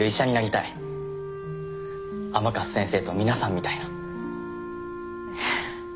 甘春先生と皆さんみたいな。